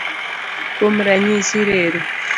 Kuom ranyisi, reru.